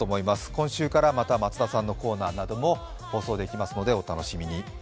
今週からまた松田さんのコーナーなども放送できますのでお楽しみに。